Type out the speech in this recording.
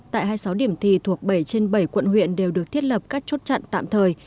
tại hai mươi sáu điểm thi thuộc bảy trên bảy quận huyện đều được thiết lập các chốt chặn tạm thời